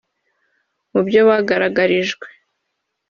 Mu byo bagaragarijwe